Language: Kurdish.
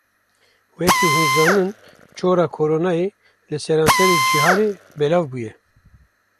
Wekî hûn zanin çora Koronayê li serenserê cihanê belav bûye.